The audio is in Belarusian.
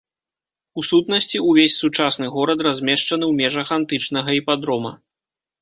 У сутнасці, увесь сучасны горад размешчаны ў межах антычнага іпадрома.